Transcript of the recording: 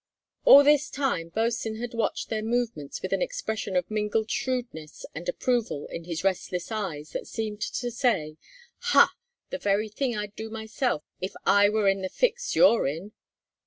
All this time Bosin had watched their movements with an expression of mingled shrewdness and approval in his restless eyes that seemed to say: "Ha! the very thing I'd do myself were I in the fix you're in."